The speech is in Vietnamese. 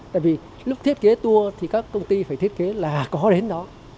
tại vì lúc thiết kế tour thì các công ty phải thiết kế là có đến đó